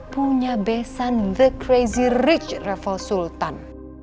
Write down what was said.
punya besan the crazy rich level sultan